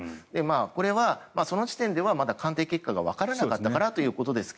これはその時点ではまだ鑑定結果がわからなかったからということですが。